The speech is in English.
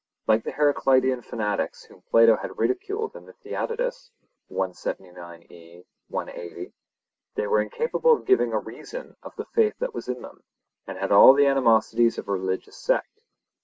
Like the Heraclitean fanatics whom Plato has ridiculed in the Theaetetus, they were incapable of giving a reason of the faith that was in them, and had all the animosities of a religious sect.